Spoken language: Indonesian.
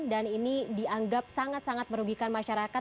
dan ini dianggap sangat sangat merugikan masyarakat